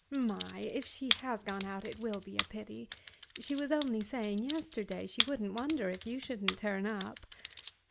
"My! If she has gone out it will be a pity. She was only saying yesterday she wouldn't wonder if you shouldn't turn up."